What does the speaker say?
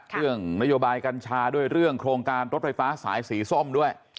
เรื่องนโยบายกัญชาด้วยเรื่องโครงการรถไฟฟ้าสายสีส้มด้วย